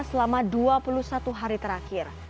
selama dua puluh satu hari terakhir